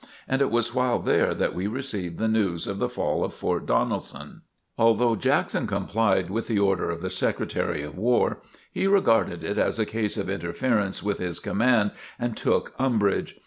And it was while there that we received the news of the fall of Fort Donelson. Although Jackson complied with the order of the Secretary of War, he regarded it as a case of interference with his command and took umbrage.